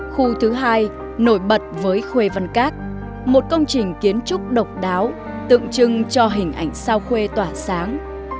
khu thứ hai nổi bật với khuê văn cát một công trình kiến trúc độc đáo tượng trưng cho hình ảnh sao khuê tỏa sáng